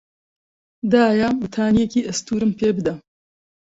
دایە، بەتانیێکی ئەستوورم پێ بدە.